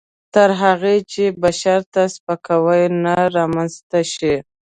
تر هغه چې بشر ته سپکاوی نه رامنځته شي.